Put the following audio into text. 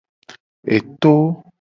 Eto.